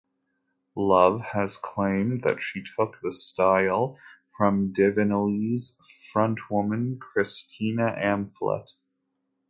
Love has claimed that she took the style from Divinyls frontwoman Christina Amphlett.